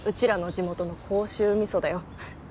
地元の甲州味噌だよ